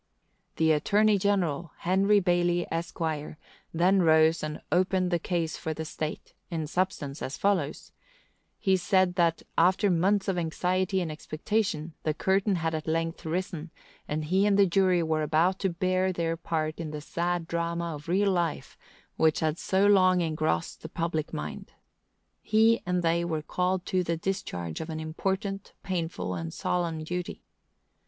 The Attorney general, Henry Bailey, Esq., then rose and opened the case for the state, in substance, as follows: He said that, after months of anxiety and expectation, the curtain had at length risen, and he and the jury were about to bear their part in the sad drama of real life, which had so long engrossed the public mind. He and they were called to the discharge of an important, painful, and solemn duty.